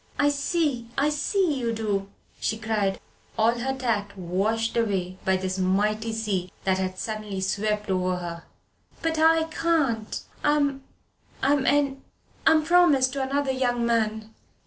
"I see I see you do," she cried, all her tact washed away by this mighty sea that had suddenly swept over her. "But I can't. I'm I'm en I'm promised to another young man."